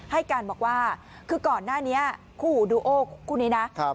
ให้การบอกว่าคือก่อนหน้านี้คู่ดูโอคู่นี้นะ